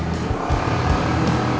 gak ada yang mau ngomong